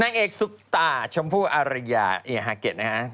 นางเอกสุกตาชมพูอารยาเอียฮาเก็ตนะครับ